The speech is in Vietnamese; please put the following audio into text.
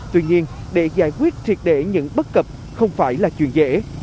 tuy nhiên để giải quyết triệt để những bất cập không phải là chuyện dễ